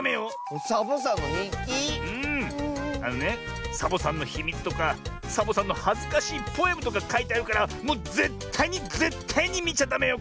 あのねサボさんのひみつとかサボさんのはずかしいポエムとかかいてあるからもうぜったいにぜったいにみちゃダメよ。